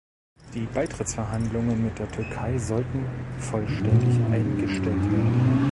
Die Beitrittsverhandlungen mit der Türkei sollten vollständig eingestellt werden.